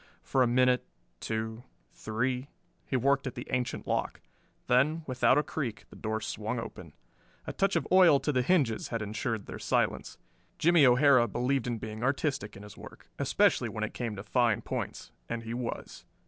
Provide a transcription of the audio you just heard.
For a minute, two, three, he worked at the ancient lock; then, without a creak, the door swung open. A touch of oil to the hinges had insured their silence. Jimmie O'Hara believed in being artistic in his work, especially when it came to fine points, and he was.